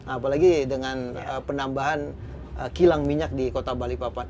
apalagi dengan penambahan kilang minyak di kota balikpapan